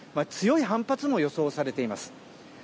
強い反発も予想されています。